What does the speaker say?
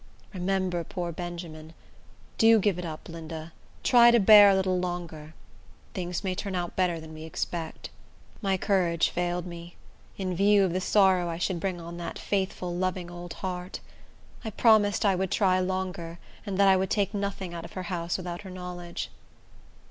Remember poor Benjamin. Do give it up, Linda. Try to bear a little longer. Things may turn out better than we expect." My courage failed me, in view of the sorrow I should bring on that faithful, loving old heart. I promised that I would try longer, and that I would take nothing out of her house without her knowledge.